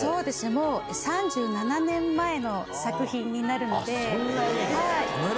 もう３７年前の作品になるので。